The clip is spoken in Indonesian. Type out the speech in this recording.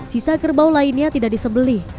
sisa kerbau lainnya tidak disebeli